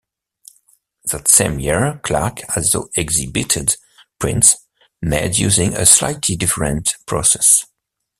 That same year Clark also exhibited prints made using a slightly different process.